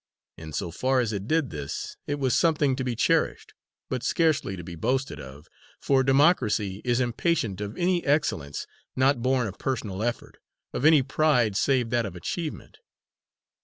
In so far as it did this it was something to be cherished, but scarcely to be boasted of, for democracy is impatient of any excellence not born of personal effort, of any pride save that of achievement.